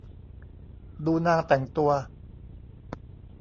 ดูนางแต่งตัว